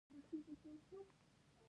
دغې ښځې د حاکم په اجازه په شرعي نکاح سره.